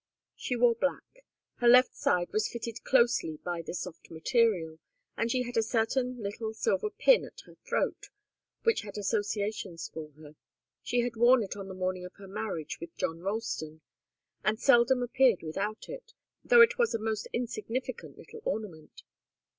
She wore black. Her left side was fitted closely by the soft material, and she had a certain little silver pin at her throat, which had associations for her. She had worn it on the morning of her marriage with John Ralston, and seldom appeared without it, though it was a most insignificant little ornament.